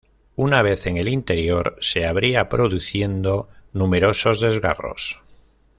Una vez en el interior, se abría, produciendo numerosos desgarros.